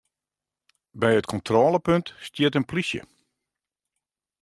By it kontrôlepunt stiet in plysje.